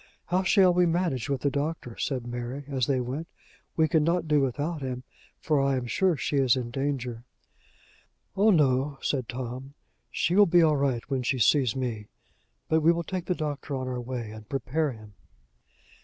"How shall we manage with the doctor?" said Mary, as they went. "We can not do without him, for I am sure she is in danger." "Oh, no!" said Tom. "She will be all right when she sees me. But we will take the doctor on our way, and prepare him."